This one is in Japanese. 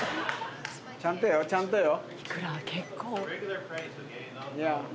ちゃんとよちゃんとよ。